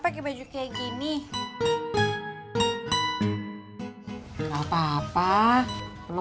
semoga dan drawnya